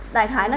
đại thái này